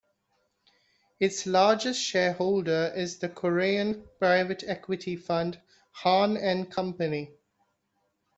Its largest shareholder is the Korean private equity fund, Hahn and Company.